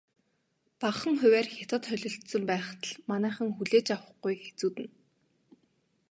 Багахан хувиар Хятад холилдсон байхад л манайхан хүлээж авахгүй хэцүүднэ.